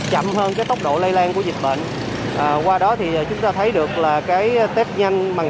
nó sẽ chậm hơn cái tốc độ lây lan của dịch bệnh qua đó thì chúng ta thấy được là cái test nhanh bằng